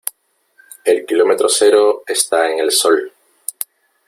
El kilómetro cero está en Sol.